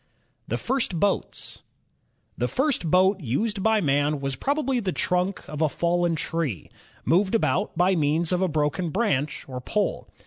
The First Boats The first boat used by man was probably the trunk of a fallen tree, moved about by means of a broken branch or pole.